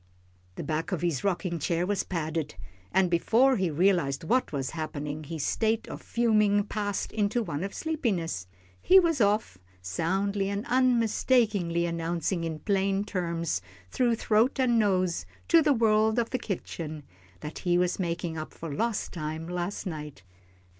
The back of his rocking chair was padded, and before he realised what was happening, his state of fuming passed into one of sleepiness, he was off, soundly and unmistakably announcing in plain terms, through throat and nose, to the world of the kitchen, that he was making up for time lost last night.